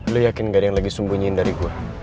lo yakin gak ada yang lagi sembunyiin dari gue